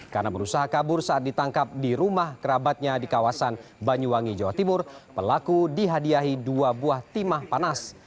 karena berusaha kabur saat ditangkap di rumah kerabatnya di kawasan banyuwangi jawa timur pelaku dihadiahi dua buah timah panas